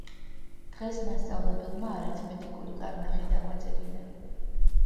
დღეს მასწავლებელმა არითმეტიკული კარნახი დაგვაწერინა